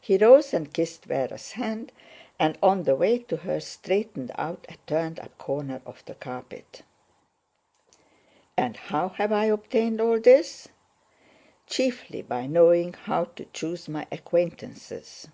(He rose and kissed Véra's hand, and on the way to her straightened out a turned up corner of the carpet.) "And how have I obtained all this? Chiefly by knowing how to choose my aquaintances.